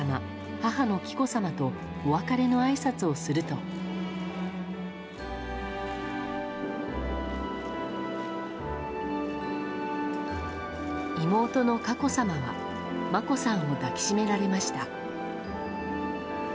母の紀子さまとお別れのあいさつをすると妹の佳子さまは眞子さんを抱きしめられました。